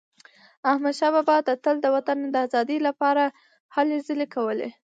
احمدشاه بابا تل د وطن د ازادی لپاره هلې ځلي کولي.